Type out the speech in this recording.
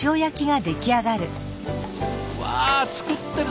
わ作ってる。